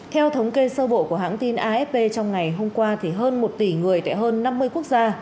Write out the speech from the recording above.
theo thống kê sơ bộ của hãng tin afp trong ngày hôm qua thì hơn một tỷ người tại hơn năm mươi quốc gia